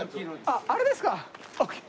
あっあれですか。